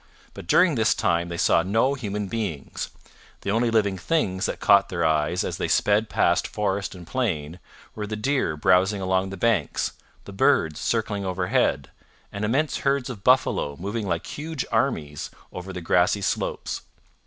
But during this time they saw no human beings; the only living things that caught their eyes as they sped past forest and plain were the deer browsing along the banks, the birds circling overhead, and immense herds of buffalo moving like huge armies over the grassy slopes.